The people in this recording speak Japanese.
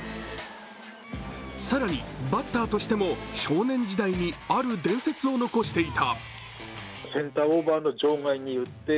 更にバッターとしても少年時代に、ある伝説を残していた。